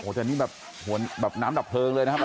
แต่นี่แบบน้ำดับเพลิงเลยนะครับ